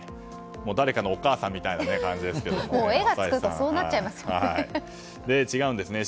誰かのお母さんみたいな感じですけど違うんですね。